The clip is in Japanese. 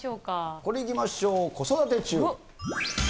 これいきましょう、子育て中。